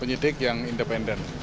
penyidik yang independen